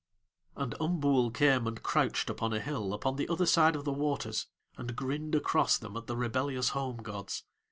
And Umbool came and crouched upon a hill upon the other side of the waters and grinned across them at the rebellious home gods.